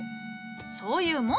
そういうもんじゃ。